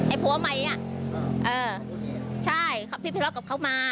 ไอ้พวกใหม่เนี่ยใช่พี่ไปทะเลาะกับเขามา